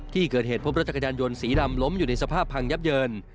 ที่เกิดเหตุพบรถจักรยานยนต์สีดำล้มอยู่ในสภาพพังยับเยิน